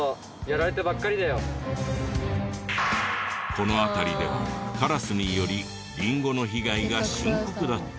この辺りではカラスによりリンゴの被害が深刻だった。